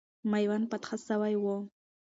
میوند فتح سوی وو.